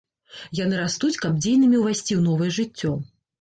Яны растуць, каб дзейнымі ўвайсці ў новае жыццё.